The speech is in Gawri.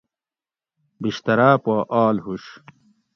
بِشتراۤ پا آل ہُش